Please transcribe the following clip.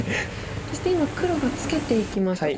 そして今黒がツケていきました。